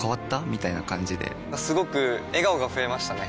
みたいな感じですごく笑顔が増えましたね！